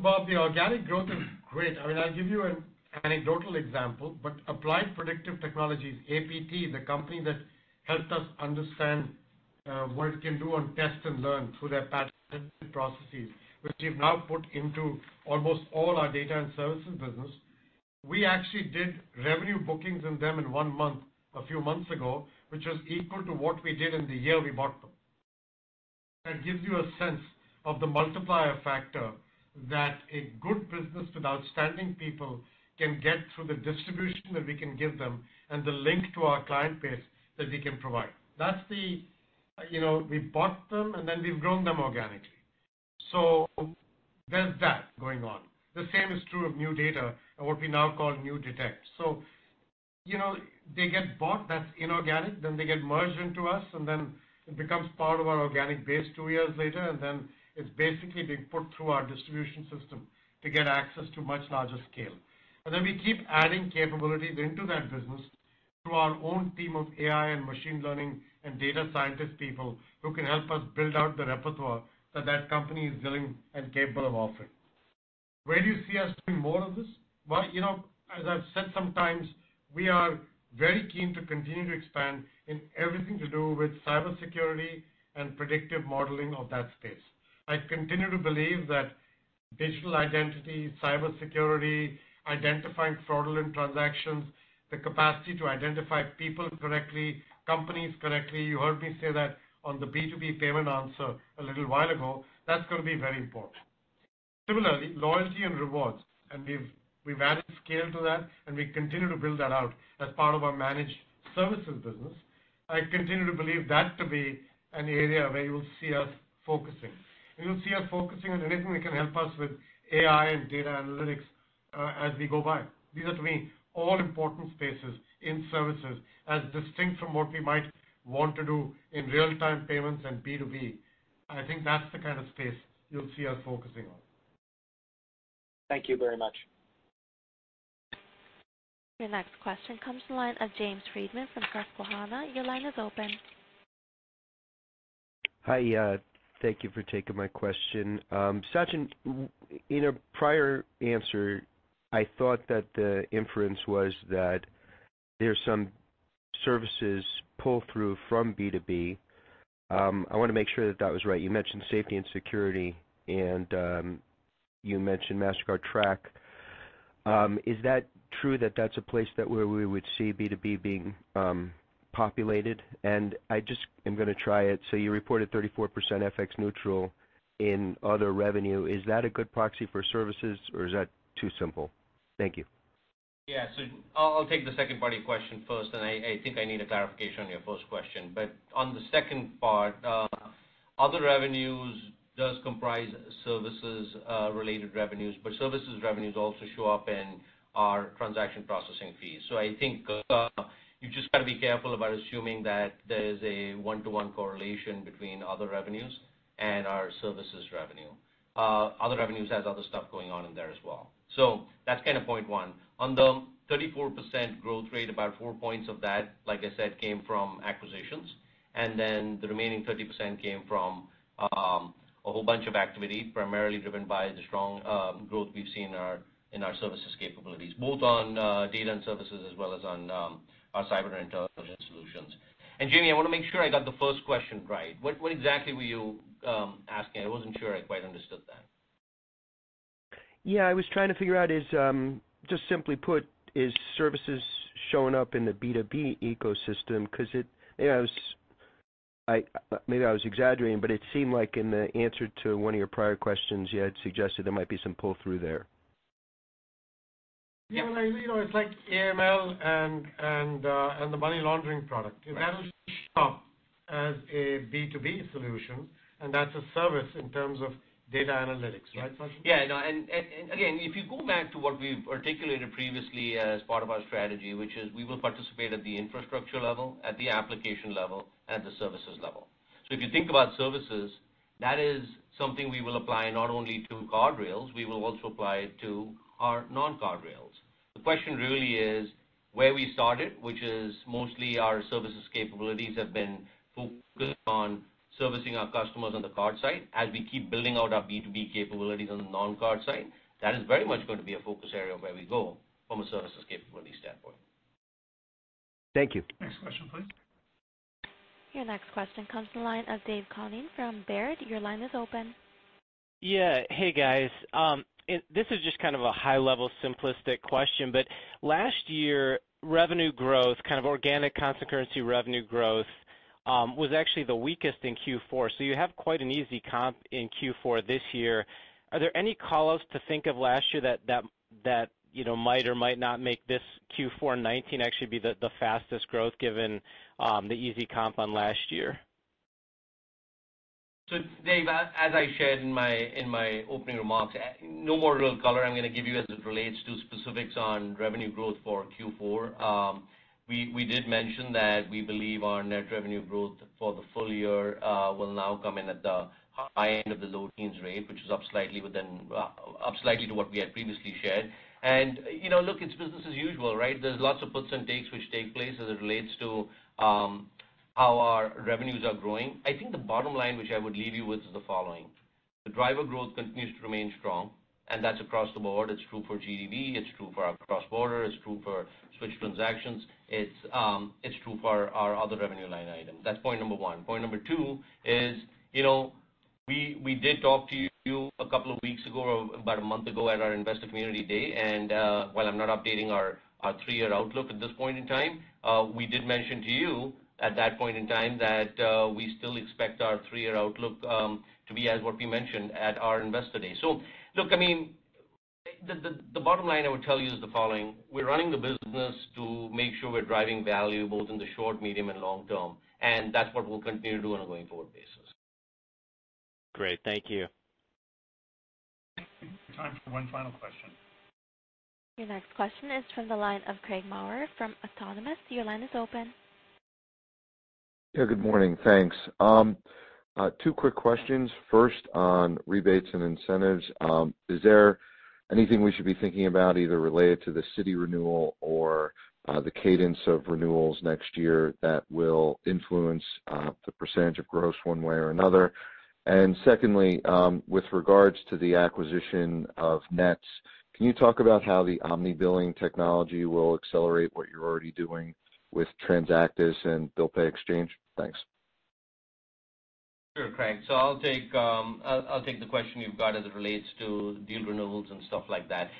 Bob, the organic growth is great. I'll give you an anecdotal example, Applied Predictive Technologies, APT, the company that helped us understand what it can do on test and learn through their patented processes, which we've now put into almost all our data and services business. We actually did revenue bookings in them in one month, a few months ago, which was equal to what we did in the year we bought them. That gives you a sense of the multiplier factor that a good business with outstanding people can get through the distribution that we can give them and the link to our client base that we can provide. We bought them, we've grown them organically. There's that going on. The same is true of NuData and what we now call NuDetect. They get bought, that's inorganic, then they get merged into us, and then it becomes part of our organic base two years later, and then it's basically being put through our distribution system to get access to much larger scale. Then we keep adding capabilities into that business through our own team of AI and machine learning and data scientist people who can help us build out the repertoire that that company is willing and capable of offering. Where do you see us doing more of this? As I've said sometimes, we are very keen to continue to expand in everything to do with cybersecurity and predictive modeling of that space. I continue to believe that digital identity, cybersecurity, identifying fraudulent transactions, the capacity to identify people correctly, companies correctly. You heard me say that on the B2B payment answer a little while ago. That's going to be very important. Similarly, loyalty and rewards, and we've added scale to that, and we continue to build that out as part of our managed services business. I continue to believe that to be an area where you'll see us focusing. You'll see us focusing on anything that can help us with AI and data analytics as we go by. These are, to me, all important spaces in services as distinct from what we might want to do in real-time payments and B2B. I think that's the kind of space you'll see us focusing on. Thank you very much. Your next question comes from the line of James Friedman from Susquehanna. Your line is open. Hi. Thank you for taking my question. Sachin, in a prior answer, I thought that the inference was that there's some services pull-through from B2B. I want to make sure that that was right. You mentioned safety and security and you mentioned Mastercard Track. Is that true that that's a place that where we would see B2B being populated? I just am going to try it, so you reported 34% FX neutral in other revenue. Is that a good proxy for services or is that too simple? Thank you. Yeah. I'll take the second part of your question first. I think I need a clarification on your first question. On the second part, other revenues does comprise services-related revenues, but services revenues also show up in our transaction processing fees. I think you've just got to be careful about assuming that there is a one-to-one correlation between other revenues and our services revenue. Other revenues has other stuff going on in there as well. That's point one. On the 34% growth rate, about four points of that, like I said, came from acquisitions, the remaining 30% came from a whole bunch of activity, primarily driven by the strong growth we've seen in our services capabilities, both on data and services as well as on our cyber intelligence solutions. Jamie, I want to make sure I got the first question right. What exactly were you asking? I wasn't sure I quite understood that. Yeah, I was trying to figure out, just simply put, is services showing up in the B2B ecosystem? Maybe I was exaggerating, but it seemed like in the answer to one of your prior questions, you had suggested there might be some pull-through there. Yeah. It's like AML and the money laundering product. It happens to show up as a B2B solution, and that's a service in terms of data analytics, right, Sachin? Yeah. No. Again, if you go back to what we've articulated previously as part of our strategy, which is we will participate at the infrastructure level, at the application level, and the services level. If you think about services, that is something we will apply not only to card rails, we will also apply it to our non-card rails. The question really is where we started, which is mostly our services capabilities have been focused on servicing our customers on the card side. As we keep building out our B2B capabilities on the non-card side, that is very much going to be a focus area of where we go from a services capability standpoint. Thank you. Next question, please. Your next question comes to the line of David Koning from Baird. Your line is open. Yeah. Hey, guys. This is just a high-level simplistic question, but last year, revenue growth, organic constant currency revenue growth, was actually the weakest in Q4. You have quite an easy comp in Q4 this year. Are there any call-outs to think of last year that might or might not make this Q4 2019 actually be the fastest growth given the easy comp on last year? Dave, as I shared in my opening remarks, no more real color I'm going to give you as it relates to specifics on revenue growth for Q4. We did mention that we believe our net revenue growth for the full year will now come in at the high end of the low teens rate, which is up slightly to what we had previously shared. Look, it's business as usual, right? There's lots of puts and takes which take place as it relates to how our revenues are growing. I think the bottom line which I would leave you with is the following. The driver growth continues to remain strong, and that's across the board. It's true for GDV, it's true for our cross-border, it's true for switch transactions. It's true for our other revenue line items. That's point number one. Point number 2 is, we did talk to you a couple of weeks ago, or about a month ago at our Investment Community Meeting, and while I'm not updating our 3-year outlook at this point in time, we did mention to you at that point in time that we still expect our 3-year outlook to be as what we mentioned at our Investor Day. Look, the bottom line I would tell you is the following. We're running the business to make sure we're driving value both in the short, medium, and long term, and that's what we'll continue to do on a going forward basis. Great. Thank you. Time for one final question. Your next question is from the line of Craig Maurer from Autonomous. Your line is open. Yeah, good morning. Thanks. Two quick questions. First on rebates and incentives. Is there anything we should be thinking about either related to the Citi renewal or the cadence of renewals next year that will influence the percentage of gross one way or another? Secondly, with regards to the acquisition of Nets, can you talk about how the omni-billing technology will accelerate what you're already doing with Transactis and Bill Pay Exchange? Thanks. Sure, Craig. I'll take the question you've got as it relates to deal renewals and stuff like that.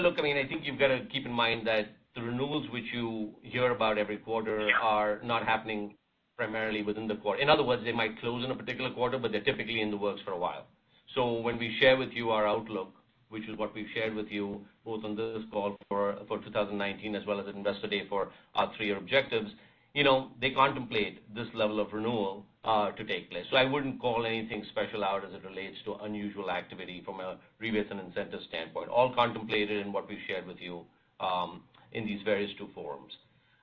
Look, I think you've got to keep in mind that the renewals which you hear about every quarter are not happening primarily within the quarter. In other words, they might close in a particular quarter, but they're typically in the works for a while. When we share with you our outlook, which is what we've shared with you both on this call for 2019 as well as at Investor Day for our three-year objectives, they contemplate this level of renewal to take place. I wouldn't call anything special out as it relates to unusual activity from a rebates and incentive standpoint. All contemplated in what we've shared with you in these various two forums.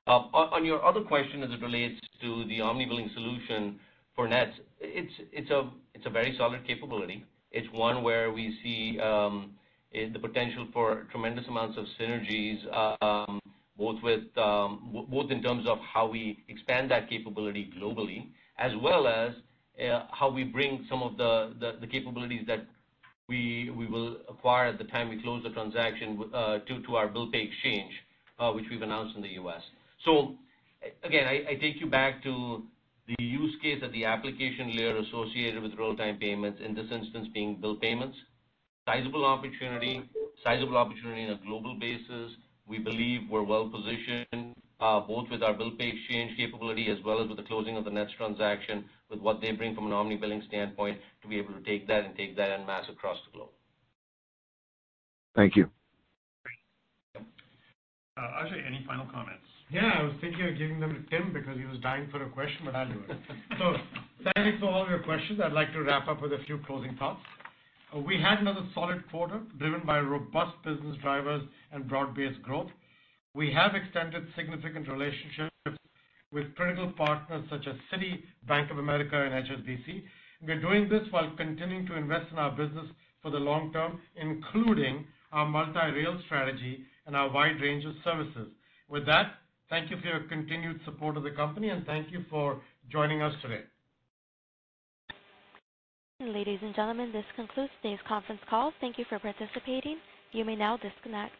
On your other question, as it relates to the omni-billing solution for Nets, it's a very solid capability. It's one where we see the potential for tremendous amounts of synergies, both in terms of how we expand that capability globally, as well as how we bring some of the capabilities that we will acquire at the time we close the transaction to our Bill Pay Exchange, which we've announced in the U.S. Again, I take you back to the use case at the application layer associated with real-time payments, in this instance being bill payments. Sizeable opportunity in a global basis. We believe we're well-positioned, both with our Bill Pay Exchange capability as well as with the closing of the Nets transaction with what they bring from an omni-billing standpoint, to be able to take that and mass across the globe. Thank you. Ajay, any final comments? Yeah, I was thinking of giving them to Tim because he was dying for a question, but I'll do it. Thank you for all your questions. I'd like to wrap up with a few closing thoughts. We had another solid quarter driven by robust business drivers and broad-based growth. We have extended significant relationships with critical partners such as Citi, Bank of America, and HSBC. We're doing this while continuing to invest in our business for the long term, including our multi-rail strategy and our wide range of services. With that, thank you for your continued support of the company and thank you for joining us today. Ladies and gentlemen, this concludes today's conference call. Thank you for participating. You may now disconnect.